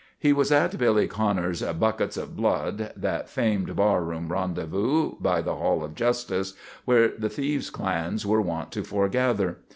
He was at Billy Connors' "Buckets of Blood," that famed barroom rendezvous by the Hall of Justice, where the thieves' clans were wont to forgather.